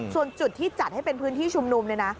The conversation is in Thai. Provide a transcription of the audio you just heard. ส่วนจุดที่จัดให้เป็นพื้นที่ชุมนุมเนี่ยนะ